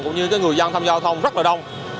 cũng như người dân tham gia giao thông rất là đông